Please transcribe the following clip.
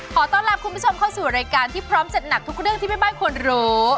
ขอต้อนรับคุณผู้ชมเข้าสู่รายการที่พร้อมจัดหนักทุกเรื่องที่แม่บ้านควรรู้